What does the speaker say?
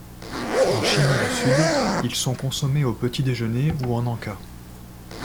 En Chine du Sud, ils sont consommés au petit déjeuner ou en en-cas.